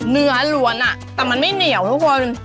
เนื้อรวนอ่ะแต่มันไม่เหนียวทุกคน